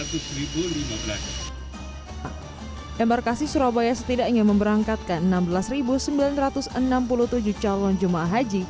dan berkasih surabaya setidaknya memberangkatkan enam belas sembilan ratus enam puluh tujuh calon jum'ah haji